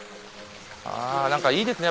あぁ何かいいですね